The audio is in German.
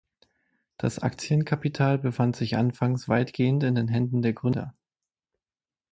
Das Aktienkapital befand sich anfangs weitgehend in den Händen der Gründer.